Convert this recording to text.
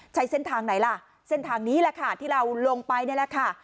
ใช้เส้นทางไหนล่ะเส้นทางนี้แหละค่ะที่เราลงไปนี่แหละค่ะ